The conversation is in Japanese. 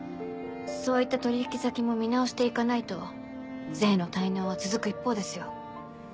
そういった取引先も見直していかないと税の滞納は続く一方ですよ。